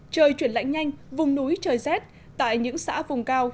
trời chuyển lạnh nhanh vùng núi trời rét tại những xã vùng cao